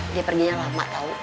dia perginya lama tau